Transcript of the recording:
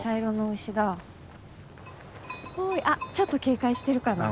おいあっちょっと警戒してるかな？